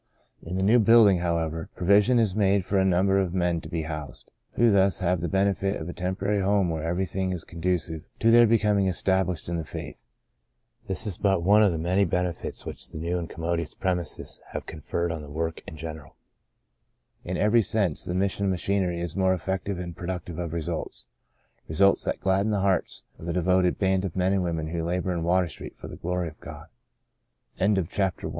In the new build ing, however, provision is made for a num ber of men to be housed, who thus have the benefit of a temporary home where every thing is conducive to their becoming estab lished in the faith. This is but one of many benefits which the new and commodious premises have conferred on the work in gen The Greatest of These 31 eral. In every sense, the Mission machinery is more effective and productive of results — results that gladden the hearts of the de voted band of men and women who